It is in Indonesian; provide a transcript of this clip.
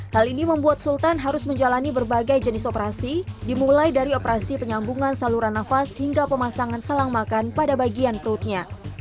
hal ini membuat sultan harus menjalani berbagai jenis operasi dimulai dari operasi penyambungan saluran nafas hingga pemasangan selang makan pada bagian perutnya